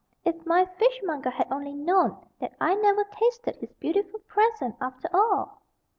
if my fishmonger had only known that I never tasted his beautiful present, after all!